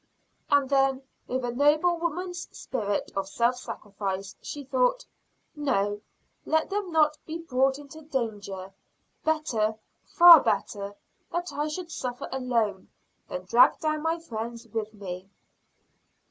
And then, with a noble woman's spirit of self sacrifice, she thought: "No, let them not be brought into danger. Better, far better, that I should suffer alone, than drag down my friends with me."